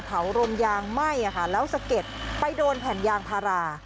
เผาร่มยางไหม้ค่ะแล้วเสะเก็ดไปโดนแผ่นยางพรา